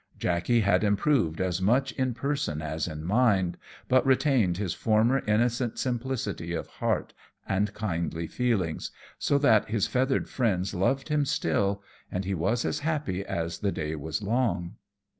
Jackey had improved as much in person as in mind, but retained his former innocent simplicity of heart and kindly feelings, so that his feathered friends loved him still, and he was as happy as the day was long.